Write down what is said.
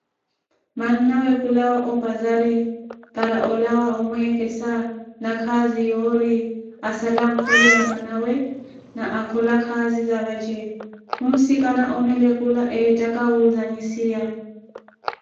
Manna we khulawa opazari para olawa omweekesa nakhaazi yoori asala ankholela mwana we ni okhola khaazi zavace, khunsikana Omeluka eettaka wuzanyisiya.